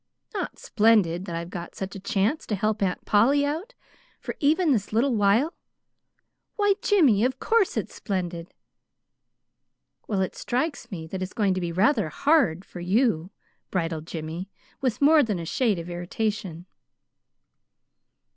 "Not splendid that I've got such a chance to help Aunt Polly out, for even this little while? Why, Jimmy, of course it's splendid." "Well, it strikes me that it's going to be rather HARD for you," bridled Jimmy, with more than a shade of irritation.